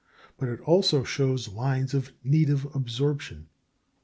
But it also shows lines of native absorption.